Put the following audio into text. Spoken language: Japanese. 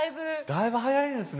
だいぶ早いですね。